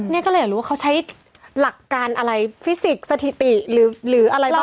ก็เลยอยากรู้ว่าเขาใช้หลักการอะไรฟิสิกส์สถิติหรืออะไรบ้าง